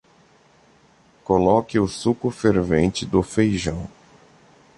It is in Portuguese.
Coloque o suco fervente do feijão.